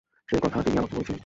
সে কথা তিনি আমাকে বলেছিলেন।